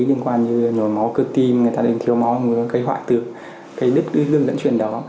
liên quan như nổi máu cơ tim người ta đình thiếu máu người ta gây hoại từ cái lứt đương dẫn truyền đó